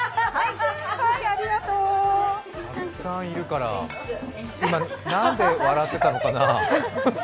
たくさんいるから今何で笑ってたのかな？